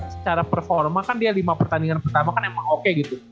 secara performa kan dia lima pertandingan pertama kan emang oke gitu